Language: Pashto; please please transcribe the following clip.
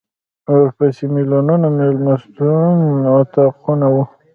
ورپسې د مېلمنو د مېلمستون اطاقونه و.